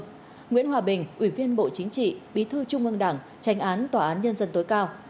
đại tướng nguyễn hòa bình ủy viên bộ chính trị bí thư trung ương đảng tránh án tòa án nhân dân tối cao